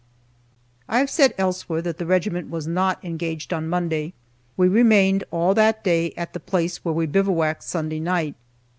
I have said elsewhere that the regiment was not engaged on Monday. We remained all that day at the place where we bivouacked Sunday night.